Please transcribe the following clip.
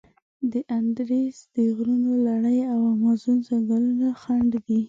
د اندیز د غرونو لړي او امازون ځنګلونه خنډ دي.